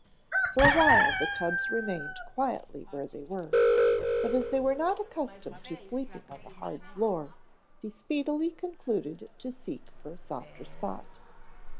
For a while the cubs remained quietly where they were, but as they were not accustomed to sleeping on the hard floor they speedily concluded to seek for a softer spot.